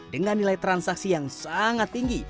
dengan nilai transaksi yang sangat tinggi